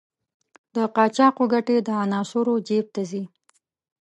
د قاچاقو ګټې د عناصرو جېب ته ځي.